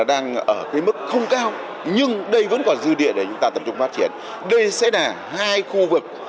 đang ở cái mức không cao nhưng đây vẫn còn dư địa để chúng ta tập trung phát triển đây sẽ là hai khu vực